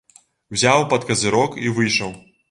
Узяў пад казырок і выйшаў.